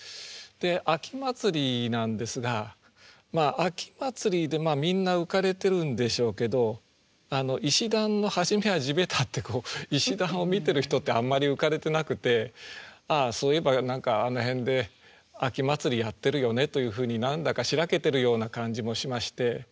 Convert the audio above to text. で「秋祭」なんですが秋祭りでみんな浮かれてるんでしょうけど「石段のはじめは地べた」ってこう石段を見てる人ってあんまり浮かれてなくて「ああそういえば何かあの辺で秋祭りやってるよね」というふうに何だかしらけてるような感じもしまして。